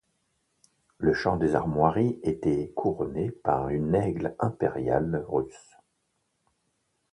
Le champ des armoiries était couronné par une aigle impériale russe.